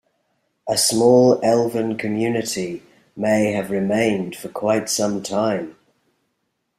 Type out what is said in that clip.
A small Elven community may have remained for quite some time.